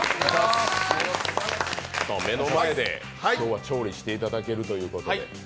目の前で今日は調理していただけるということで。